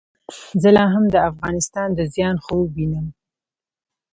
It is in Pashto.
زه لا هم د افغانستان د زیان خوب وینم.